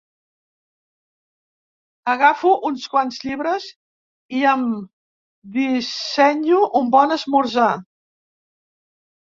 Agafo uns quants llibres i em dissenyo un bon esmorzar.